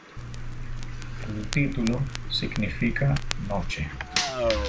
El título significa "Noche".